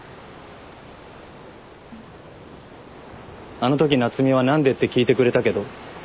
あのとき夏海は「何で？」って聞いてくれたけど。